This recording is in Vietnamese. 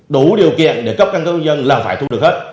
đủ điều kiện để cấp căn cước công dân là phải thu được hết